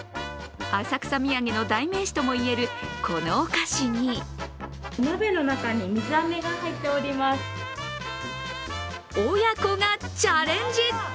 浅草土産の代名詞ともいえるこのお菓子に親子がチャレンジ。